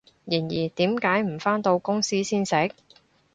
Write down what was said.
然而，點解唔返到公司先食？